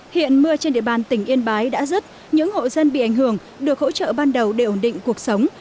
hiện mưa trên địa bàn tỉnh yên bái đã rứt những hộ dân bị ảnh hưởng được hỗ trợ ban đầu để ổn định cuộc sống